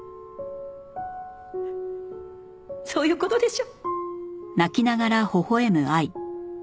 そういう事でしょ？